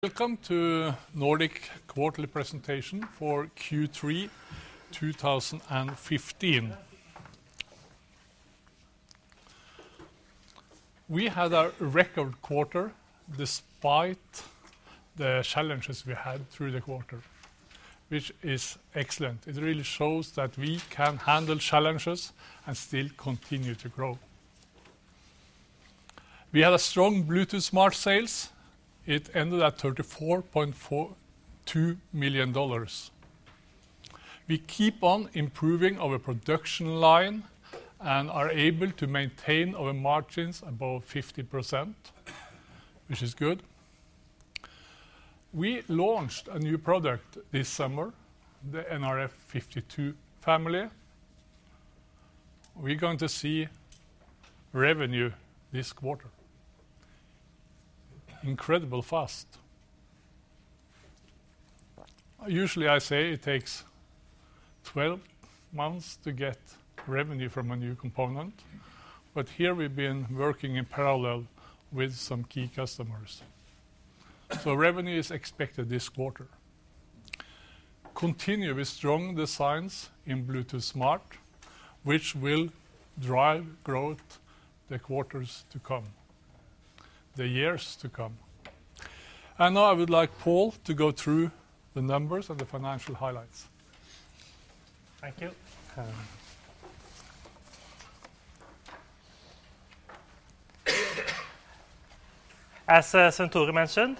Welcome to Nordic Quarterly Presentation for Q3 2015. We had a record quarter despite the challenges we had through the quarter, which is excellent. It really shows that we can handle challenges and still continue to grow. We had a strong Bluetooth Smart sales. It ended at $34.2 million. We keep on improving our production line and are able to maintain our margins above 50%, which is good. We launched a new product this summer, the nRF52 Series. We're going to see revenue this quarter. Incredible fast. Usually, I say it takes 12 months to get revenue from a new component, but here we've been working in parallel with some key customers. Revenue is expected this quarter. Continue with strong designs in Bluetooth Smart, which will drive growth the quarters to come, the years to come. Now I would like Pål to go through the numbers and the financial highlights. Thank you. Uh. As Svenn-Tore mentioned,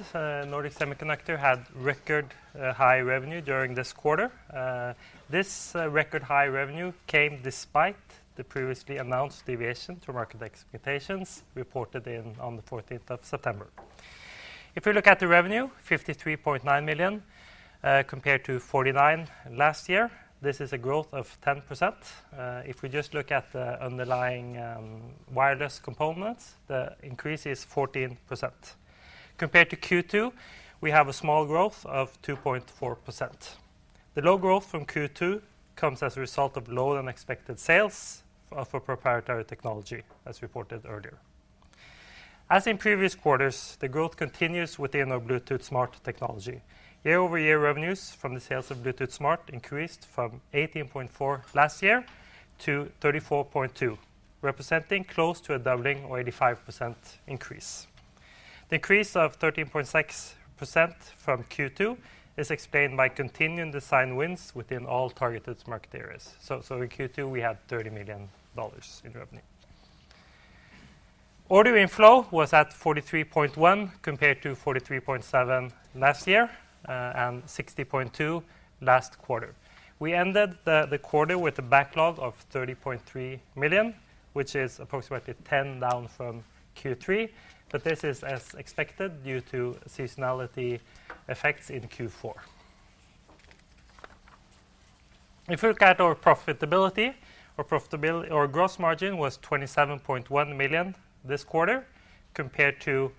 Nordic Semiconductor had record high revenue during this quarter. This record high revenue came despite the previously announced deviation from market expectations, reported in on the 14th of September. If we look at the revenue, 53.9 million, compared to 49 million last year, this is a growth of 10%. If we just look at the underlying wireless components, the increase is 14%. Compared to Q2, we have a small growth of 2.4%. The low growth from Q2 comes as a result of lower than expected sales for proprietary technology, as reported earlier. As in previous quarters, the growth continues within our Bluetooth Smart technology. Year-over-year revenues from the sales of Bluetooth Smart increased from 18.4 million last year to 34.2 million, representing close to a doubling or 85% increase. The increase of 13.6% from Q2 is explained by continuing design wins within all targeted market areas. In Q2, we had $30 million in revenue. Order inflow was at $43.1, compared to $43.7 last year, and $60.2 last quarter. We ended the quarter with a backlog of $30.3 million, which is approximately 10 down from Q3. This is as expected due to seasonality effects in Q4. If we look at our profitability, our gross margin was $27.1 million this quarter, compared to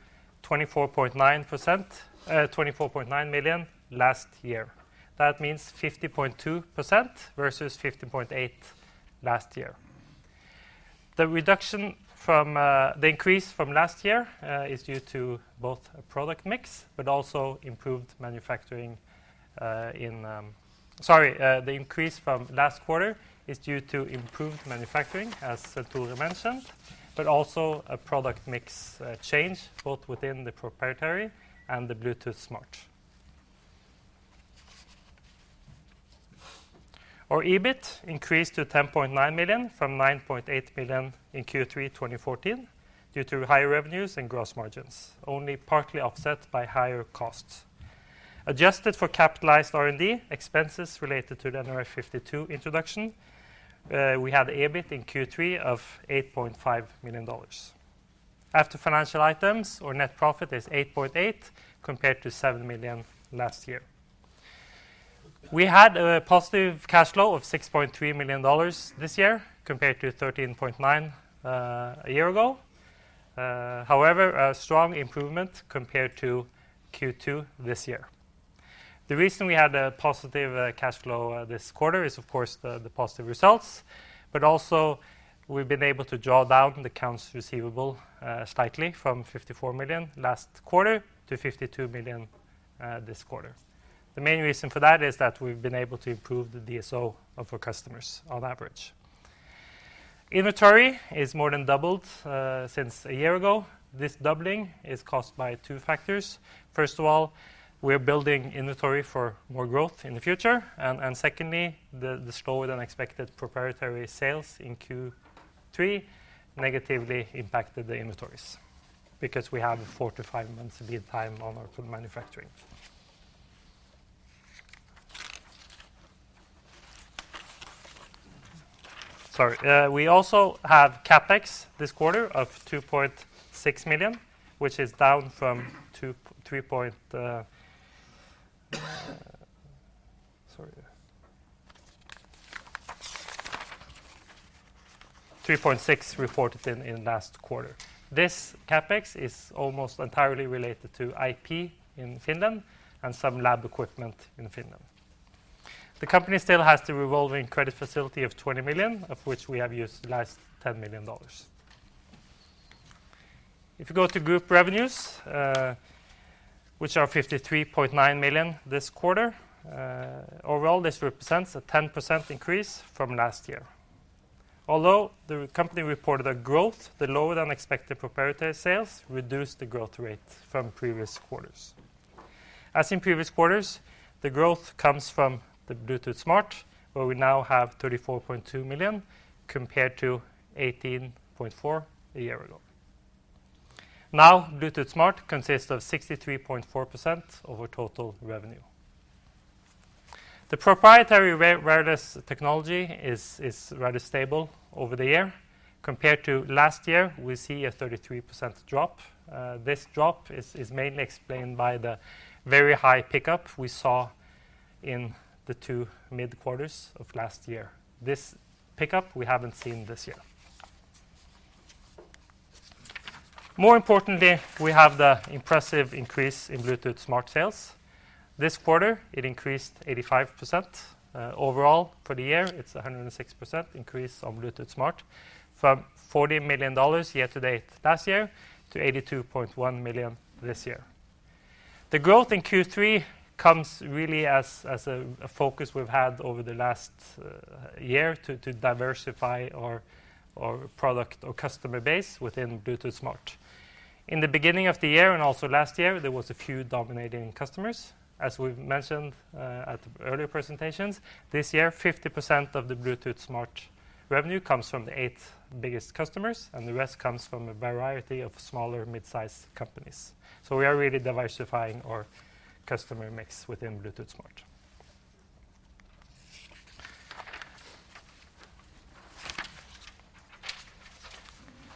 24.9%, $24.9 million last year. That means 50.2% versus 50.8% last year. The increase from last year is due to both product mix, also improved manufacturing. Sorry, the increase from last quarter is due to improved manufacturing, as Svenn-Tore mentioned, but also a product mix change, both within the proprietary and the Bluetooth Smart. Our EBIT increased to $10.9 million from $9.8 million in Q3 2014, due to higher revenues and gross margins, only partly offset by higher costs. Adjusted for capitalized R&D, expenses related to the nRF52 introduction, we have EBIT in Q3 of $8.5 million. After financial items, our net profit is $8.8 million, compared to $7 million last year. We had a positive cash flow of $6.3 million this year, compared to $13.9 million a year ago. However, a strong improvement compared to Q2 this year. The reason we had a positive cash flow this quarter is, of course, the positive results, but also we've been able to draw down the accounts receivable slightly from 54 million last quarter to 52 million this quarter. The main reason for that is that we've been able to improve the DSO of our customers on average. Inventory is more than doubled since a year ago. This doubling is caused by two factors. First of all, we're building inventory for more growth in the future, and secondly, the slower than expected proprietary sales in Q3 negatively impacted the inventories, because we have a four to five months lead time on our full manufacturing. Sorry, we also have CapEx this quarter of 2.6 million, which is down from 3.6 million reported in last quarter. This CapEx is almost entirely related to IP in Finland and some lab equipment in Finland. The company still has the revolving credit facility of $20 million, of which we have used the last $10 million. You go to group revenues, which are $53.9 million this quarter, overall, this represents a 10% increase from last year. Although the company reported a growth, the lower-than-expected proprietary sales reduced the growth rate from previous quarters. As in previous quarters, the growth comes from the Bluetooth Smart, where we now have $34.2 million, compared to $18.4 million a year ago. Bluetooth Smart consists of 63.4% of our total revenue. The proprietary wireless technology is rather stable over the year. Compared to last year, we see a 33% drop. This drop is mainly explained by the very high pickup we saw in the two mid-quarters of last year. This pickup, we haven't seen this year. More importantly, we have the impressive increase in Bluetooth Smart sales. This quarter, it increased 85%. Overall, for the year, it's a 106% increase on Bluetooth Smart, from $40 million year-to-date last year to $82.1 million this year. The growth in Q3 comes really as a focus we've had over the last year to diversify our product or customer base within Bluetooth Smart. In the beginning of the year, and also last year, there was a few dominating customers. As we've mentioned, at earlier presentations, this year, 50% of the Bluetooth Smart revenue comes from the eight biggest customers, and the rest comes from a variety of smaller mid-sized companies. We are really diversifying our customer mix within Bluetooth Smart.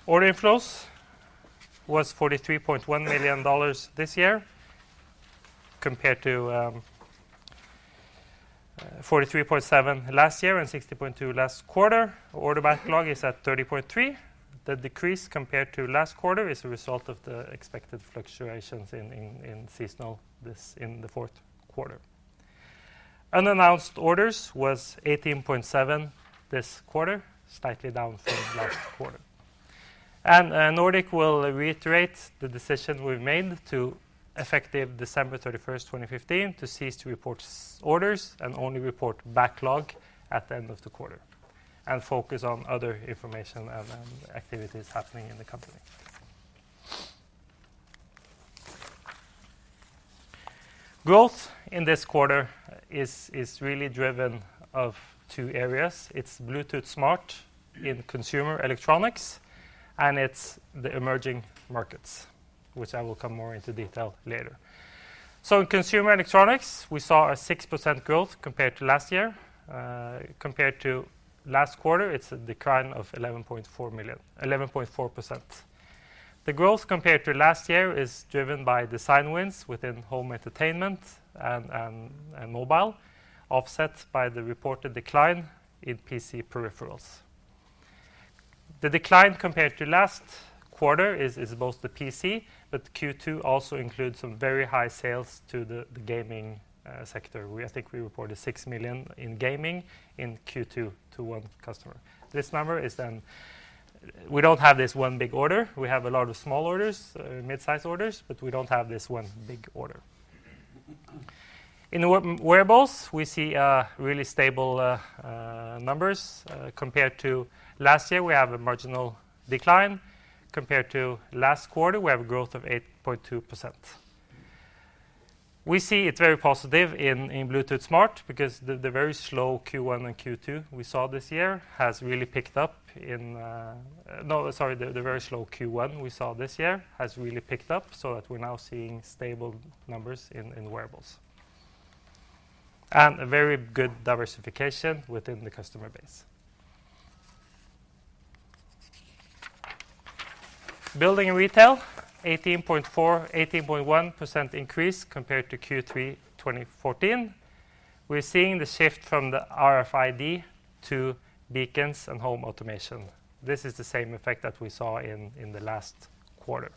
Order inflows was $43.1 million this year, compared to $43.7 last year and $60.2 last quarter. Order backlog is at $30.3. The decrease compared to last quarter is a result of the expected fluctuations in seasonal this, in the fourth quarter. Unannounced orders was $18.7 this quarter, slightly down from last quarter. Nordic will reiterate the decision we've made to effective December 31, 2015, to cease to report orders and only report backlog at the end of the quarter, and focus on other information and activities happening in the company. Growth in this quarter is really driven of two areas. It's Bluetooth Smart in consumer electronics, and it's the emerging markets, which I will come more into detail later. In consumer electronics, we saw a 6% growth compared to last year. Compared to last quarter, it's a decline of 11.4%. The growth compared to last year is driven by design wins within home entertainment and mobile, offsets by the reported decline in PC peripherals. The decline compared to last quarter is both the PC, but Q2 also includes some very high sales to the gaming sector. I think we reported 6 million in gaming in Q2 to one customer. This number is then. We don't have this one big order. We have a lot of small orders, mid-size orders, but we don't have this one big order. In the wearables, we see really stable numbers. Compared to last year, we have a marginal decline. Compared to last quarter, we have a growth of 8.2%. We see it's very positive in Bluetooth Smart because the very slow Q1 and Q2 we saw this year has really picked up. No, sorry, the very slow Q1 we saw this year has really picked up so that we're now seeing stable numbers in wearables, and a very good diversification within the customer base. Building and retail, 18.1% increase compared to Q3 2014. We're seeing the shift from the RFID to beacons and home automation. This is the same effect that we saw in the last quarter.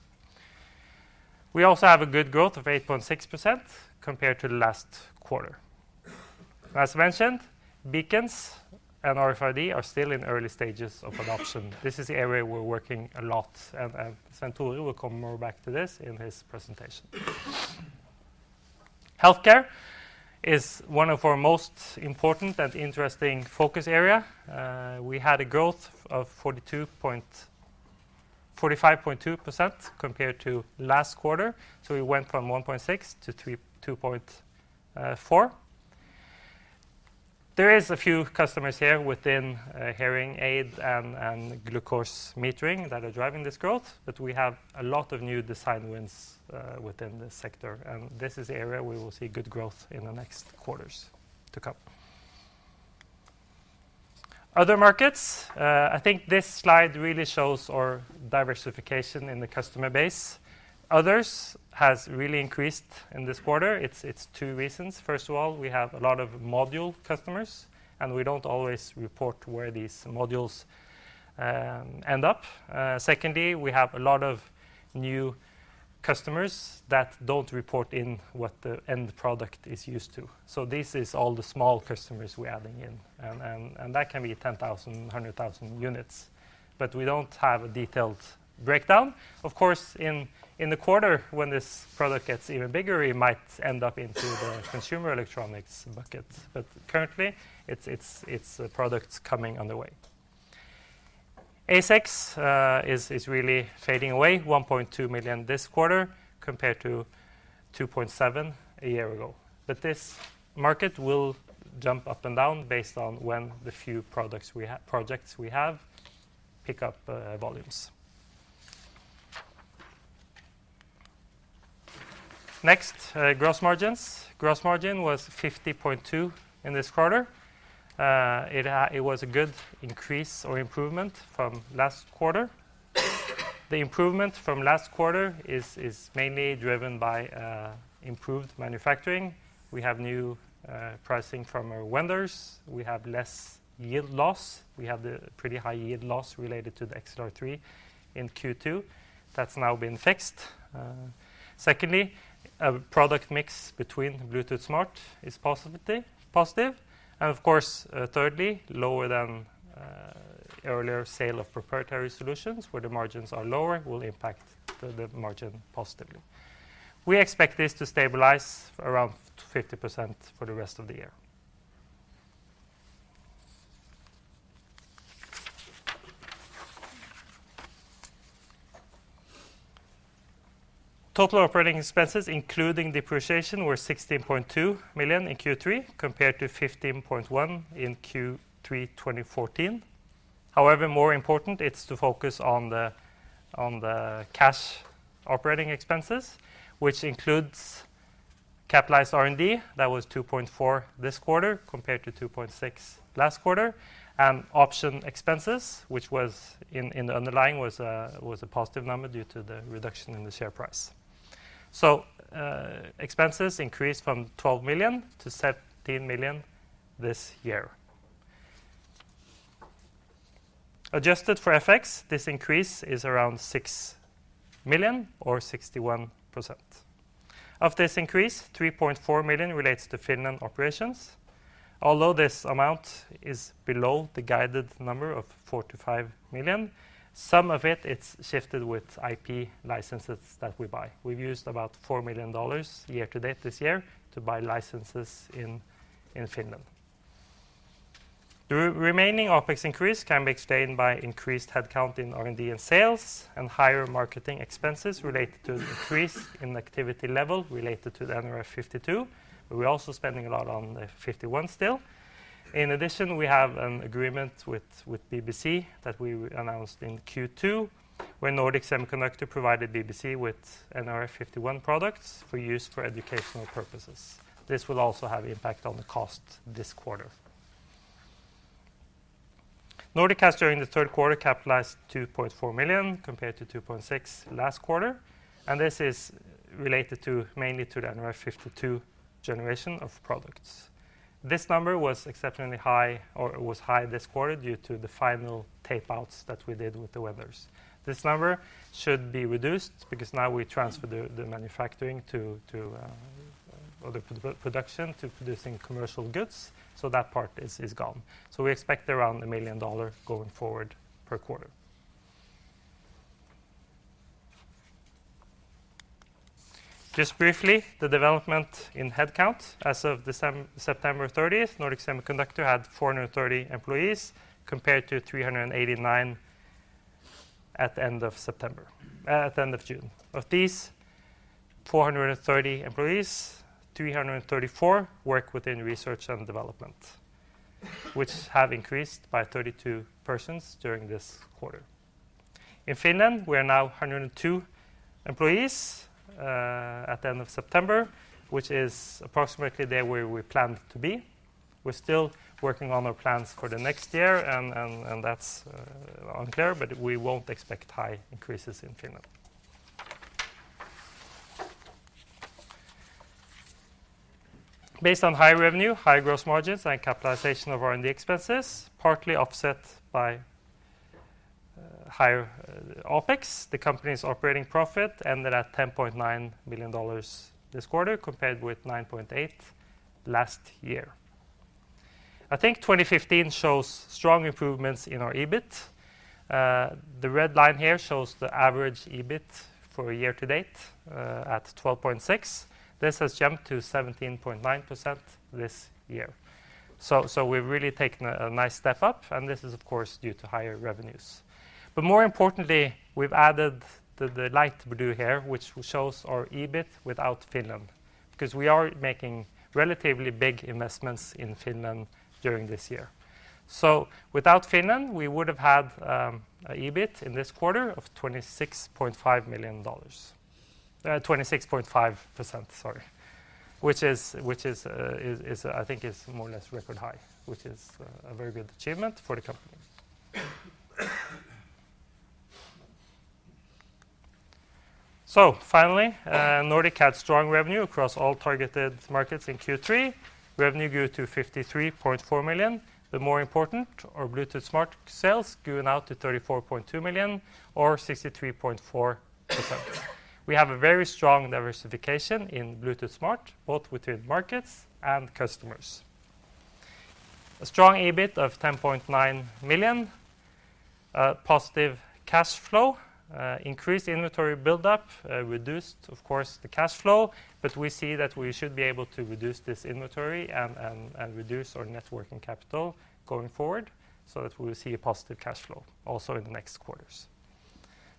We also have a good growth of 8.6% compared to the last quarter. As mentioned, beacons and RFID are still in early stages of adoption. This is the area we're working a lot, and Svenn-Tore will come more back to this in his presentation. Healthcare is one of our most important and interesting focus area. We had a growth of 45.2% compared to last quarter, so we went from 1.6 to 2.4. There is a few customers here within hearing aid and glucose metering that are driving this growth, but we have a lot of new design wins within this sector, and this is the area we will see good growth in the next quarters to come. Other markets, I think this slide really shows our diversification in the customer base. Others has really increased in this quarter. It's two reasons. First of all, we have a lot of module customers, and we don't always report where these modules end up. Secondly, we have a lot of customers that don't report in what the end product is used to. This is all the small customers we're adding in, and that can be 10,000, 100,000 units, but we don't have a detailed breakdown. Of course, in the quarter, when this product gets even bigger, it might end up into the consumer electronics bucket, but currently, it's products coming on the way. ASICs is really fading away, 1.2 million this quarter, compared to 2.7 million a year ago. This market will jump up and down based on when the few projects we have pick up volumes. Next, gross margins. Gross margin was 50.2% in this quarter. It was a good increase or improvement from last quarter. The improvement from last quarter is mainly driven by improved manufacturing. We have new pricing from our vendors. We have less yield loss. We have the pretty high yield loss related to the XR3 in Q2. That's now been fixed. Secondly, a product mix between Bluetooth Smart is positive, and of course, thirdly, lower than earlier sale of proprietary solutions, where the margins are lower, will impact the margin positively. We expect this to stabilize around 50% for the rest of the year. Total operating expenses, including depreciation, were 16.2 million in Q3, compared to 15.1 million in Q3 2014. More important, it's to focus on the cash operating expenses, which includes capitalized R&D. That was 2.4 million this quarter, compared to 2.6 million last quarter, and option expenses, which was in the underlying, was a positive number due to the reduction in the share price. Expenses increased from 12 million to 17 million this year. Adjusted for FX, this increase is around 6 million or 61%. Of this increase, 3.4 million relates to Finland operations, although this amount is below the guided number of 4 million-5 million, some of it's shifted with IP licenses that we buy. We've used about $4 million year to date this year to buy licenses in Finland. The remaining OpEx increase can be explained by increased headcount in R&D and sales, and higher marketing expenses related to the increase in activity level related to the nRF52, but we're also spending a lot on the nRF51 still. In addition, we have an agreement with BBC that we announced in Q2, where Nordic Semiconductor provided BBC with nRF51 products for use for educational purposes. This will also have impact on the cost this quarter. Nordic has, during the third quarter, capitalized $2.4 million, compared to $2.6 last quarter, mainly to the nRF52 generation of products. This number was exceptionally high, or it was high this quarter due to the final tapeouts that we did with the weathers. This number should be reduced because now we transfer the manufacturing to production, to producing commercial goods, that part is gone. We expect around $1 million going forward per quarter. Just briefly, the development in headcount. As of September 30th, Nordic Semiconductor had 430 employees, compared to 389 at the end of September, at the end of June. Of these 430 employees, 334 work within research and development, which have increased by 32 persons during this quarter. In Finland, we are now 102 employees at the end of September, which is approximately where we planned to be. We're still working on our plans for the next year, that's unclear, we won't expect high increases in Finland. Based on high revenue, high gross margins, and capitalization of R&D expenses, partly offset by higher OpEx, the company's operating profit ended at $10.9 million this quarter, compared with $9.8 million last year. I think 2015 shows strong improvements in our EBIT. The red line here shows the average EBIT for year to date, at 12.6. This has jumped to 17.9% this year. We've really taken a nice step up, and this is, of course, due to higher revenues. More importantly, we've added the light blue here, which shows our EBIT without Finland, because we are making relatively big investments in Finland during this year. Without Finland, we would've had a EBIT in this quarter of $26.5 million. 26.5%, sorry, which is, I think is more or less record high, which is a very good achievement for the company. Finally, Nordic had strong revenue across all targeted markets in Q3. Revenue grew to $53.4 million. The more important are Bluetooth Smart sales, going out to $34.2 million or 63.4%. We have a very strong diversification in Bluetooth Smart, both within markets and customers. A strong EBIT of 10.9 million, a positive cash flow, increased inventory buildup, reduced, of course, the cash flow, but we see that we should be able to reduce this inventory and reduce our net working capital going forward, so that we will see a positive cash flow also in the next quarters.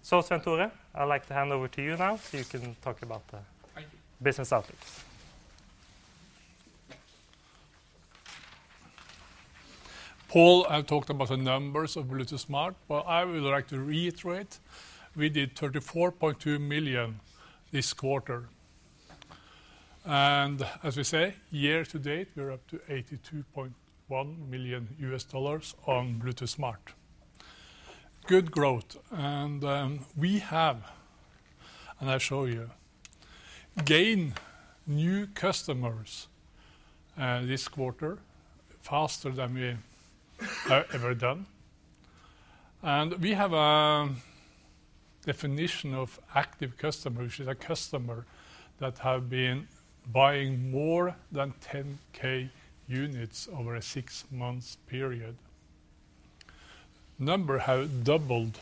Svenn-Tore, I'd like to hand over to you now, so you can talk about. Thank you. Business updates. Pål, I talked about the numbers of Bluetooth Smart, but I would like to reiterate, we did $34.2 million this quarter. As we say, year to date, we are up to $82.1 million US dollars on Bluetooth Smart. Good growth, and we have, and I'll show you, gained new customers this quarter, faster than we have ever done. We have a definition of active customer, which is a customer that have been buying more than 10K units over a six-month period. Number have doubled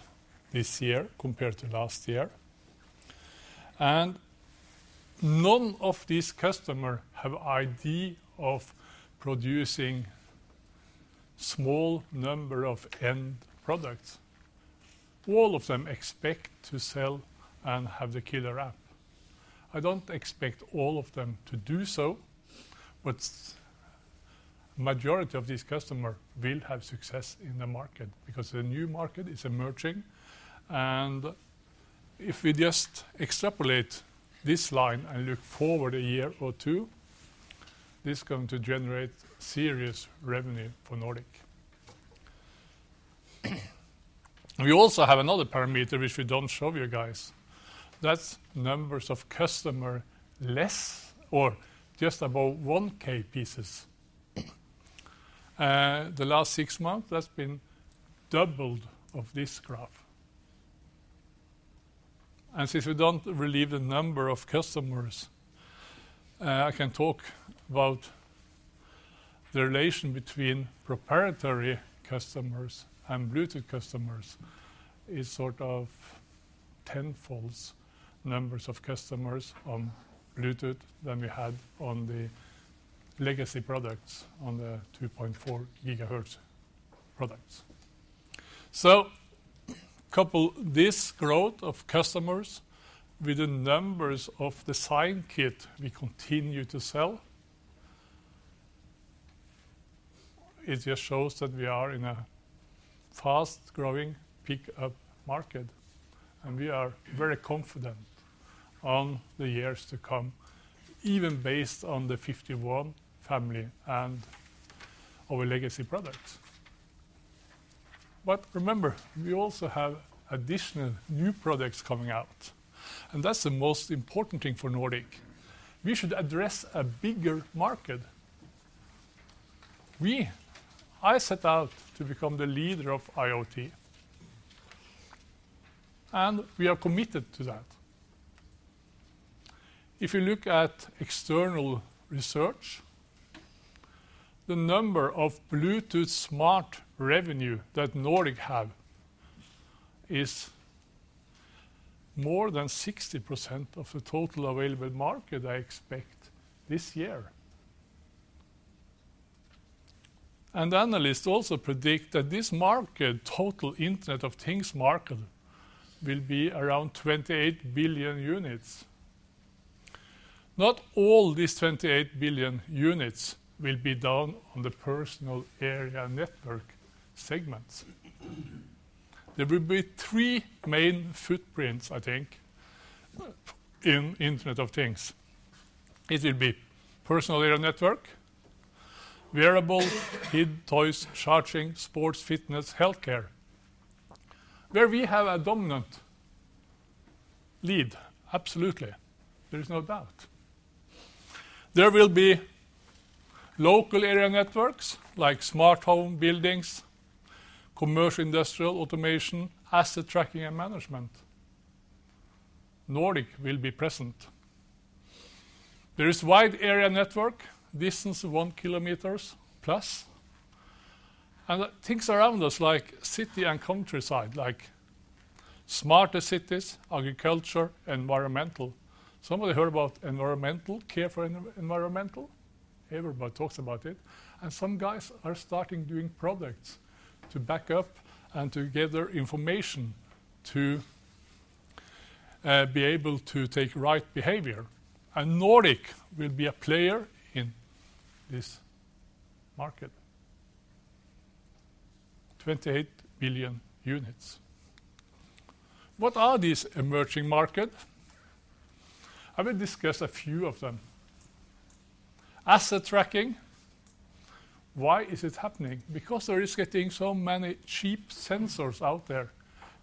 this year compared to last year, and none of these customer have idea of producing small number of end products. All of them expect to sell and have the killer app. I don't expect all of them to do so, majority of these customer will have success in the market because the new market is emerging, and if we just extrapolate this line and look forward a year or two, this is going to generate serious revenue for Nordic. We also have another parameter, which we don't show you guys. That's numbers of customer, less or just about 1K pieces. The last six months, that's been doubled of this graph. Since we don't relieve the number of customers, I can talk about the relation between proprietary customers and Bluetooth customers is sort of tenfolds numbers of customers on Bluetooth than we had on the legacy products, on the 2.4 GHz products. Couple this growth of customers with the numbers of design kit we continue to sell, it just shows that we are in a fast-growing, pick-up market, and we are very confident on the years to come, even based on the 51 family and our legacy products. Remember, we also have additional new products coming out, and that's the most important thing for Nordic. We should address a bigger market. I set out to become the leader of IoT, and we are committed to that. If you look at external research, the number of Bluetooth Smart revenue that Nordic have is more than 60% of the total available market, I expect this year. Analysts also predict that this market, total Internet of Things market, will be around 28 billion units. Not all these 28 billion units will be done on the Personal Area Network segments. There will be three main footprints, I think, in Internet of Things. It will be Personal Area Network, wearable, kid toys, charging, sports, fitness, healthcare, where we have a dominant lead, absolutely. There is no doubt. There will be Local Area Networks like smart home buildings, commercial, industrial automation, asset tracking and management. Nordic will be present. There is Wide Area Network, distance of 1 km plus, and things around us like city and countryside, like smarter cities, agriculture, environmental. Somebody heard about environmental, care for environmental? Everybody talks about it, some guys are starting doing products to back up and to gather information to be able to take right behavior. Nordic will be a player in this market. 28 billion units. What are these emerging market? I will discuss a few of them. Asset tracking, why is it happening? There is getting so many cheap sensors out there,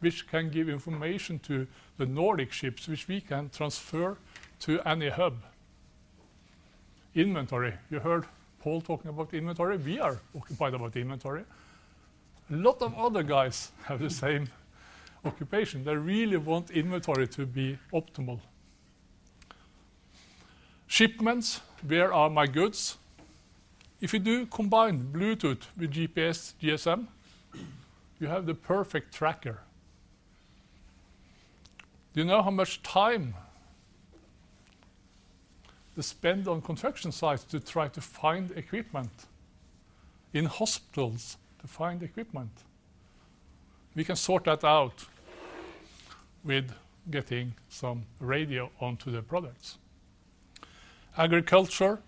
which can give information to the Nordic chips, which we can transfer to any hub. Inventory. You heard Pål talking about inventory. We are occupied about inventory. Lot of other guys have the same occupation. They really want inventory to be optimal. Shipments, where are my goods? If you do combine Bluetooth with GPS, GSM, you have the perfect tracker. Do you know how much time they spend on construction sites to try to find equipment, in hospitals to find equipment? We can sort that out with getting some radio onto their products. Agriculture,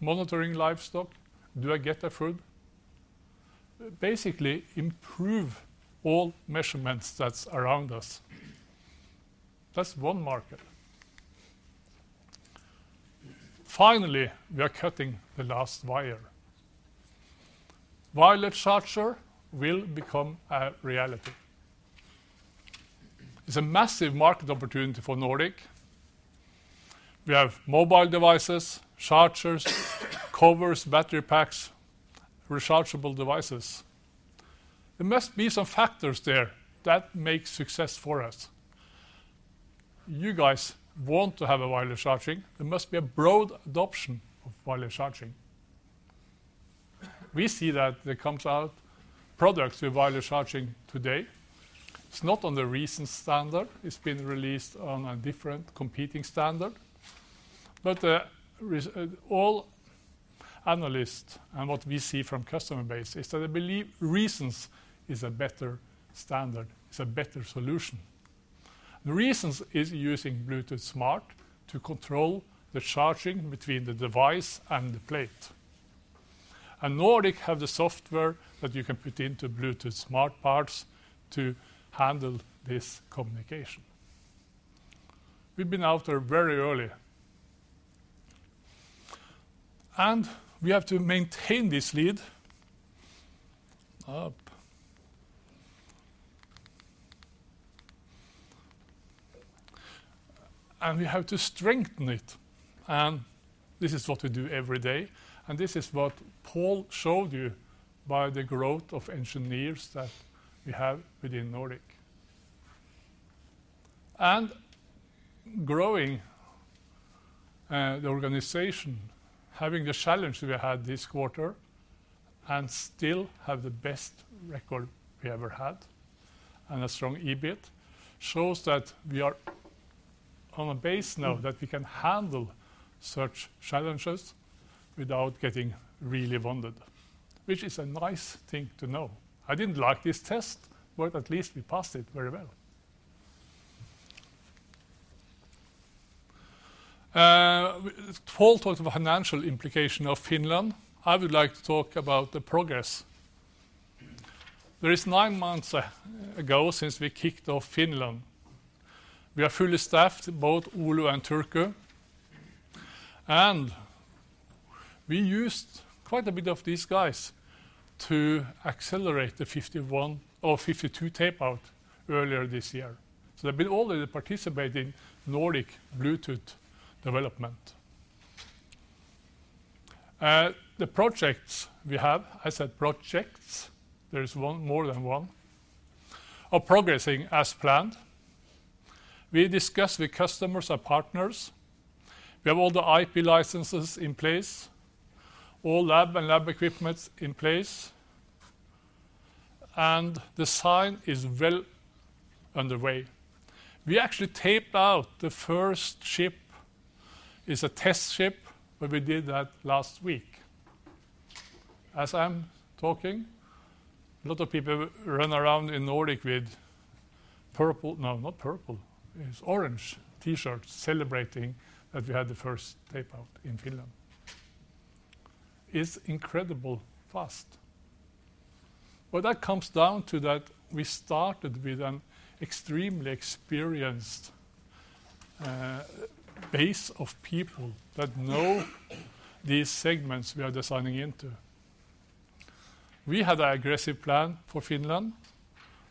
monitoring livestock. Do I get the food? Basically, improve all measurements that's around us. That's one market. We are cutting the last wire. Wireless charger will become a reality. It's a massive market opportunity for Nordic. We have mobile devices, chargers, covers, battery packs, rechargeable devices. There must be some factors there that make success for us. You guys want to have a wireless charging. There must be a broad adoption of wireless charging. We see that there comes out products with wireless charging today. It's not on the recent standard. It's been released on a different competing standard. All analysts and what we see from customer base is that they believe Rezence is a better standard, is a better solution. The Rezence is using Bluetooth Smart to control the charging between the device and the plate. Nordic have the software that you can put into Bluetooth Smart parts to handle this communication. We've been out there very early, and we have to maintain this lead up. We have to strengthen it, and this is what we do every day, and this is what Pål showed you by the growth of engineers that we have within Nordic. Growing the organization, having the challenge we had this quarter and still have the best record we ever had, and a strong EBIT, shows that we are on a base now that we can handle such challenges without getting really wounded, which is a nice thing to know. I didn't like this test. At least we passed it very well. Pål talked about financial implication of Finland. I would like to talk about the progress. There is nine months ago since we kicked off Finland. We are fully staffed, both Oulu and Turku, and we used quite a bit of these guys to accelerate the nRF51 or nRF52 tapeout earlier this year. They've been already participating Nordic Bluetooth development. The projects we have, I said projects, there is more than one, are progressing as planned. We discuss with customers and partners. We have all the IP licenses in place, all lab and lab equipment in place, and design is well underway. We actually taped out the first chip. It's a test chip, but we did that last week. As I'm talking, a lot of people run around in Nordic with orange T-shirts celebrating that we had the first tapeout in Finland. It's incredible fast. That comes down to that we started with an extremely experienced base of people that know these segments we are designing into. We had an aggressive plan for Finland.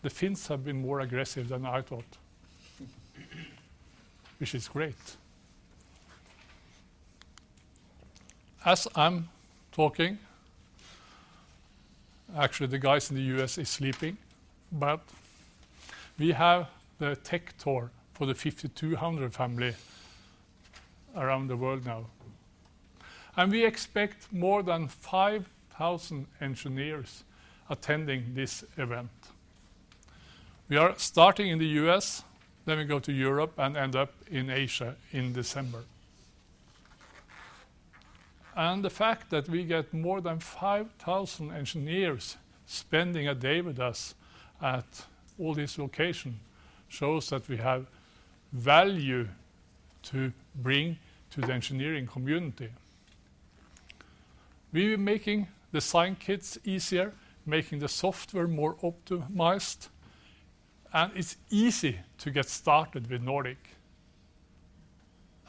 The Finns have been more aggressive than I thought, which is great. As I'm talking, actually, the guys in the U.S. is sleeping, but we have the tech tour for the 5200 family around the world now, and we expect more than 5,000 engineers attending this event. We are starting in the U.S., then we go to Europe, and end up in Asia in December. The fact that we get more than 5,000 engineers spending a day with us at all these locations, shows that we have value to bring to the engineering community. We're making design kits easier, making the software more optimized, and it's easy to get started with Nordic.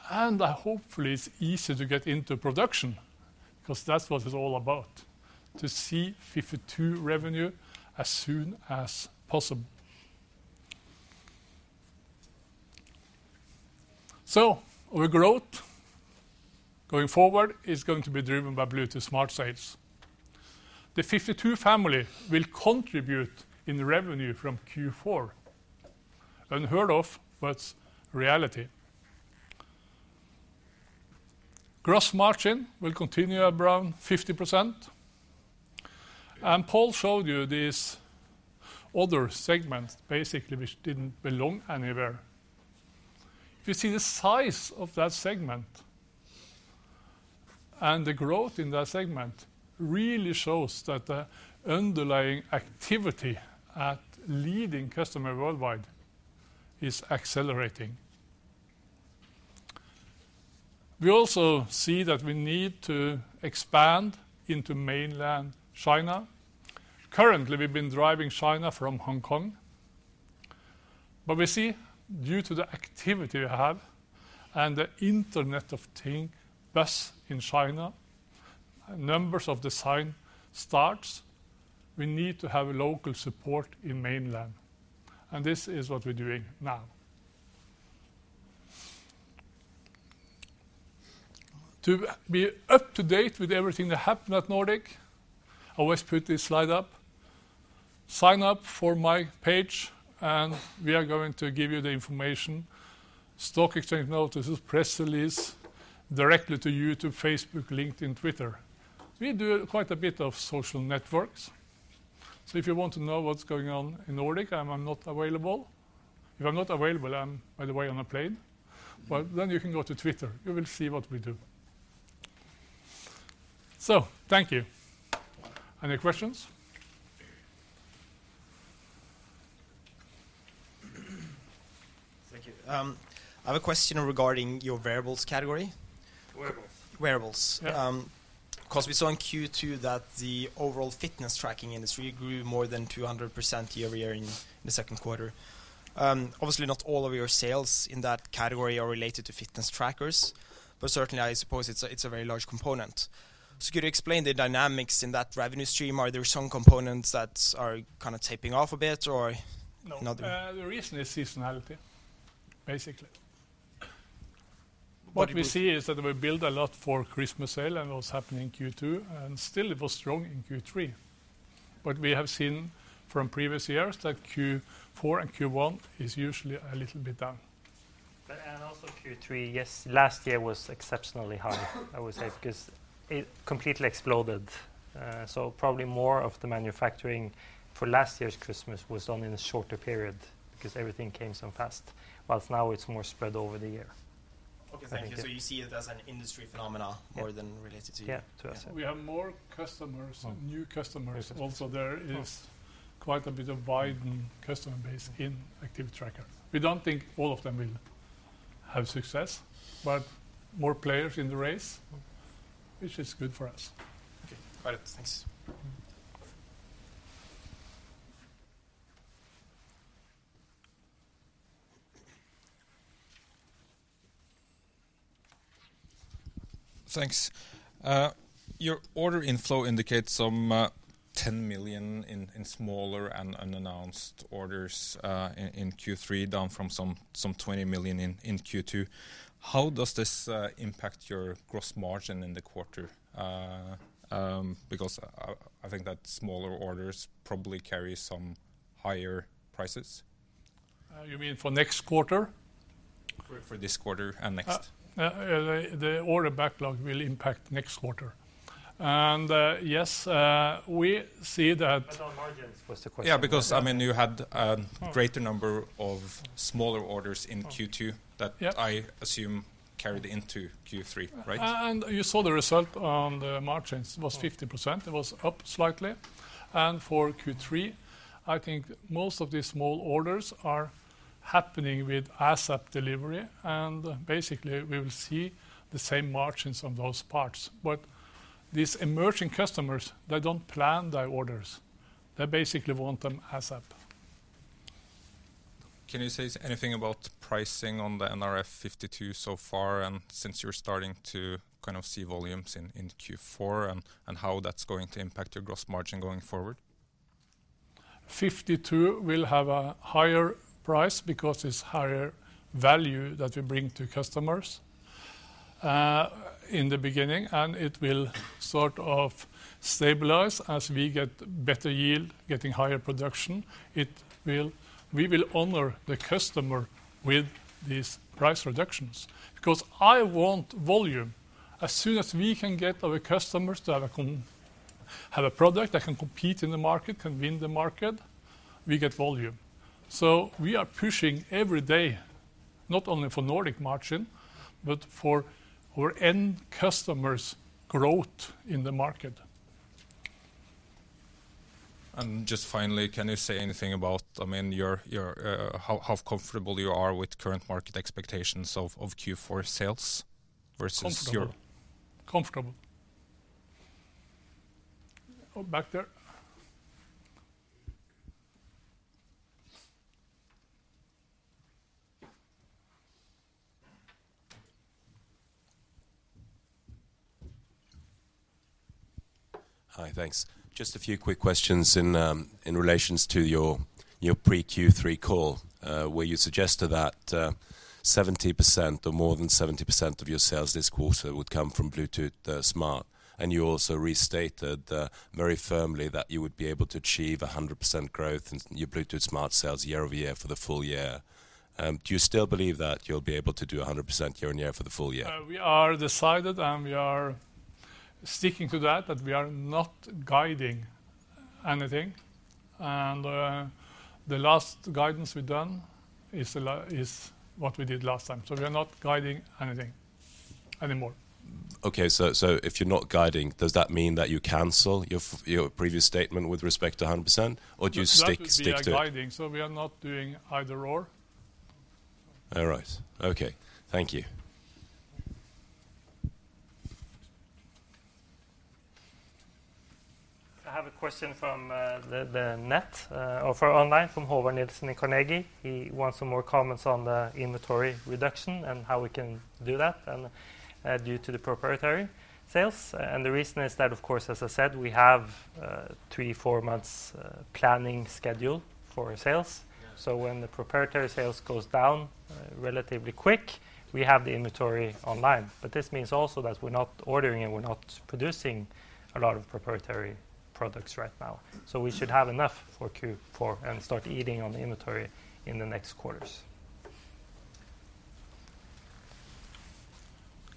Hopefully, it's easier to get into production, 'cause that's what it's all about, to see nRF52 revenue as soon as possible. Our growth going forward is going to be driven by Bluetooth Smart sales. The nRF52 family will contribute in the revenue from Q4. Unheard of, but reality. Gross margin will continue around 50%. Pål showed you this other segment, basically, which didn't belong anywhere. If you see the size of that segment, and the growth in that segment, really shows that the underlying activity at leading customer worldwide is accelerating. We also see that we need to expand into mainland China. Currently, we've been driving China from Hong Kong, we see, due to the activity we have and the Internet of Things, best in China, numbers of design starts, we need to have local support in mainland, this is what we're doing now. To be up-to-date with everything that happened at Nordic, I always put this slide up, sign up for my page, we are going to give you the information. Stock exchange notices, press release, directly to you, to Facebook, LinkedIn, Twitter. We do quite a bit of social networks. If you want to know what's going on in Nordic, I'm not available. If I'm not available, I'm, by the way, on a plane, you can go to Twitter. You will see what we do. Thank you. Any questions? Thank you. I have a question regarding your wearables category. Wearables. Wearables. Yeah. Because we saw in Q2 that the overall fitness tracking industry grew more than 200% year-over-year in the second quarter. Obviously not all of your sales in that category are related to fitness trackers, but certainly, I suppose it's a, it's a very large component. Could you explain the dynamics in that revenue stream? Are there some components that are kind of taping off a bit, or not? No. The reason is seasonality, basically. What we see is that we build a lot for Christmas sale, and what's happening in Q2, and still it was strong in Q3. What we have seen from previous years, that Q4 and Q1 is usually a little bit down. Also Q3, yes, last year was exceptionally high, I would say, because it completely exploded. Probably more of the manufacturing for last year's Christmas was only in a shorter period because everything came so fast, whilst now it's more spread over the year. Okay, thank you. You see it as an industry phenomena-? Yeah More than related to you? Yeah, to us. We have more customers, new customers. There is quite a bit of wide customer base in active tracker. We don't think all of them will have success, but more players in the race, which is good for us. Okay. All right, thanks. Thanks. Your order inflow indicates some 10 million in smaller and unannounced orders in Q3, down from some 20 million in Q2. How does this impact your gross margin in the quarter? Because I think that smaller orders probably carry some higher prices. You mean for next quarter? For this quarter and next. The order backlog will impact next quarter. Yes, we see that. On margins was the question. Yeah, because, I mean, you had greater number of smaller orders in Q2. Yeah That I assume carried into Q3, right? You saw the result on the margins, was 50%. It was up slightly. For Q3, I think most of the small orders are happening with ASAP delivery, and basically, we will see the same margins on those parts. These emerging customers, they don't plan their orders. They basically want them ASAP. Can you say anything about pricing on the nRF52 so far, and since you're starting to kind of see volumes in Q4, and how that's going to impact your gross margin going forward? 52 will have a higher price because it's higher value that we bring to customers, in the beginning, and it will sort of stabilize as we get better yield, getting higher production. We will honor the customer with these price reductions because I want volume. As soon as we can get our customers to have a product that can compete in the market, can win the market, we get volume. We are pushing every day, not only for Nordic margin, but for our end customers' growth in the market. Just finally, can you say anything about, I mean, your, how comfortable you are with current market expectations of Q4 sales versus? Comfortable. Comfortable. Oh, back there. Hi, thanks. Just a few quick questions in relations to your pre-Q3 call, where you suggested that, 70% or more than 70% of your sales this quarter would come from Bluetooth Smart. You also restated, very firmly that you would be able to achieve 100% growth in your Bluetooth Smart sales year-over-year for the full year. Do you still believe that you'll be able to do 100% year-on-year for the full year? We are decided, and we are sticking to that, but we are not guiding anything. The last guidance we've done is what we did last time. We are not guiding anything anymore. Okay. so if you're not guiding, does that mean that you cancel your previous statement with respect to 100%, or do you stick to it? That would be a guiding, so we are not doing either or. All right. Okay. Thank you. I have a question from the net or for online, from Håvard Nilsson in Carnegie. He wants some more comments on the inventory reduction and how we can do that due to the proprietary sales. The reason is that, of course, as I said, we have three, four months planning schedule for our sales. When the proprietary sales goes down relatively quick, we have the inventory online. This means also that we're not ordering and we're not producing a lot of proprietary products right now. We should have enough for Q4 and start eating on the inventory in the next quarters.